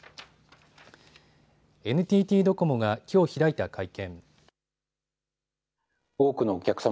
ＮＴＴドコモがきょう開いた会見。